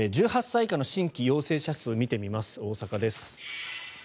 １８歳以下の新規陽性者数を見てみます、大阪です。